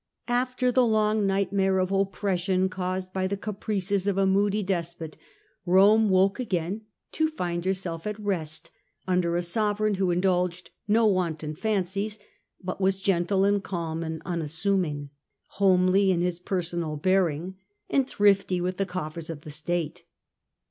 After the long nightmare of oppression caused by the caprices of a moody despot, Rome woke again to find herself at rest under a sovereign who indulged no wanton fancies, but was gentle and calm and unassuming, rules with l^on^^ly in his personal bearing, and thrifty gentle mode with the coffers of the state.